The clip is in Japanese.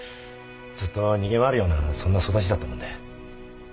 ずっと逃げ回るようなそんな育ちだったもんで。